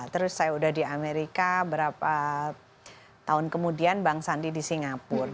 terus saya udah di amerika berapa tahun kemudian bang sandi di singapura